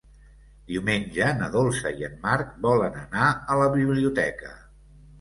Diumenge na Dolça i en Marc volen anar a la biblioteca.